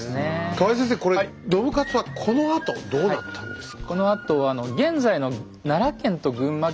河合先生これ信雄はこのあとどうなったんですか？